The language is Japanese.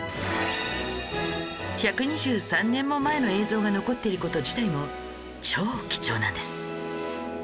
１２３年も前の映像が残っている事自体も超貴重なんです